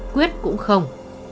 quyết cũng không